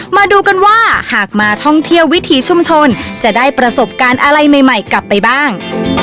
มาดูกันว่าหากมาท่องเที่ยววิถีชุมชนจะได้ประสบการณ์อะไรใหม่กลับไปบ้าง